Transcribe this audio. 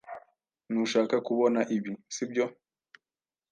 Ntushaka kubona ibi, sibyo?